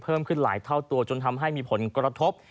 เพิ่มขึ้นหลายเท่าตัวจนทำให้มีผลกระทบ